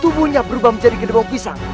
tubuhnya berubah menjadi genrong pisang